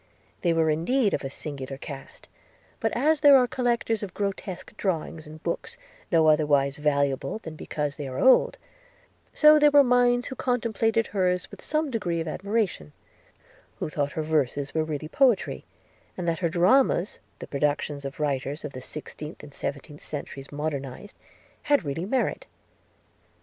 – They were indeed of a singular cast: but as there are collectors of grotesque drawings, and books, no otherwise valuable than because they are old; so there were minds who contemplated hers with some degree of admiration; who thought her verses were really poetry, and that her dramas (the productions of writers of the sixteenth and seventeenth centuries modernized) had really merit.